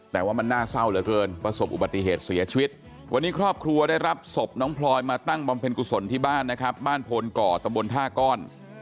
แต่ว่ามันน่าเศร้าเหลือเกินประสบอุบัติเหตุเสียชีวิตวันนี้ครอบครัวได้รับศพน้องพลอยมาตั้งบำเพ็ญกุศลที่บ้านนะครับบ้านโพนก่อตำบลท่าก้อน